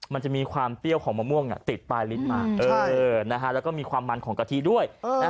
มันจะมีความเปรี้ยวของมะม่วงติดปลายลิ้นมาแล้วก็มีความมันของกะทิด้วย